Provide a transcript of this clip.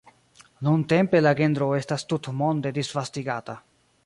Nuntempe la genro estas tutmonde disvastigata.